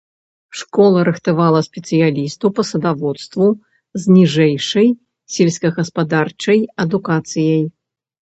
Школа рыхтавала спецыялістаў па садаводству з ніжэйшай сельскагаспадарчай адукацыяй.